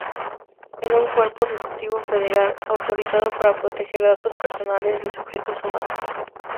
Es un cuerpo ejecutivo federal autorizado para proteger datos personales de sujetos humanos.